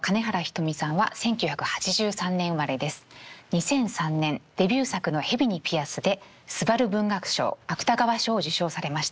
２００３年デビュー作の「蛇にピアス」ですばる文学賞芥川賞を受賞されました。